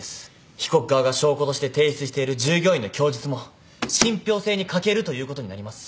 被告側が証拠として提出している従業員の供述も信ぴょう性に欠けるということになります。